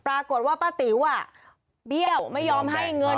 ปรากฏว่าป้าติ๋วเบี้ยวไม่ยอมให้เงิน